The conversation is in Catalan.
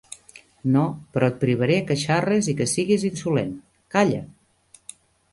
No; però et privaré que xarres i que sigues insolent. Calla!